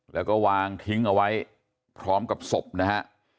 แล้วก็วางทิ้งเอาไว้พร้อมกับศพนะฮะ